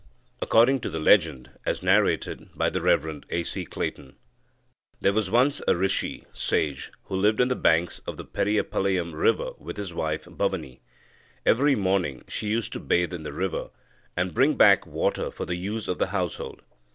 According to the legend, as narrated by the Rev. A. C. Clayton, "there was once a Rishi (sage), who lived on the banks of the Periyapalayam river with his wife Bavani. Every morning she used to bathe in the river, and bring back water for the use of the household.